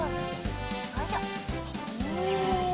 よいしょお！